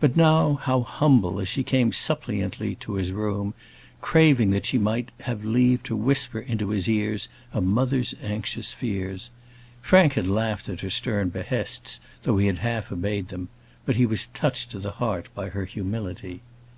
But now, how humble, as she came suppliantly to his room, craving that she might have leave to whisper into his ears a mother's anxious fears! Frank had laughed at her stern behests, though he had half obeyed them; but he was touched to the heart by her humility.